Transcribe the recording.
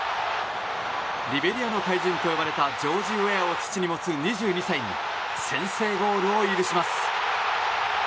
リベリアの怪人と呼ばれたジョージ・ウェアを父に持つ２２歳に先制ゴールを許します。